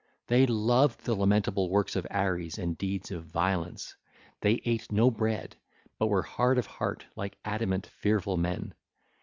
They loved the lamentable works of Ares and deeds of violence; they ate no bread, but were hard of heart like adamant, fearful men.